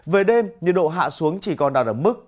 về đêm nhiệt độ hạ xuống chỉ còn đạt ở mức